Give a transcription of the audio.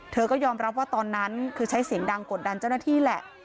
เธอก็ยอมรับว่าตอนนั้นคือใช้เสียงดังกดดันเจ้าหน้าที่แหละ